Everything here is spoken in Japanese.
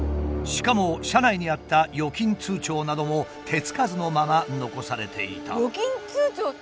しかも車内にあった預金通帳なども手付かずのまま残されていた。